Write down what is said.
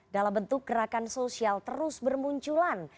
dalam bentuk gerakan sosial terus bermunculan